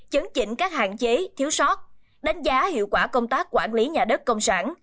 chấn chỉnh các hạn chế thiếu sót đánh giá hiệu quả công tác quản lý nhà đất công sản